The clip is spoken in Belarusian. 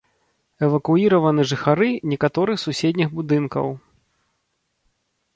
Эвакуіраваны жыхары некаторых суседніх будынкаў.